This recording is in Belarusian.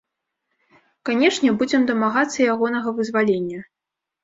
Канечне, будзем дамагацца ягонага вызвалення.